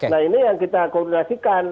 nah ini yang kita koordinasikan